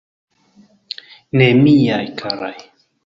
Ne, miaj karaj.